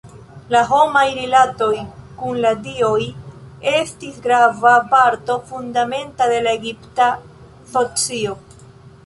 La homaj rilatoj kun la dioj estis grava parto fundamenta de la egipta socio.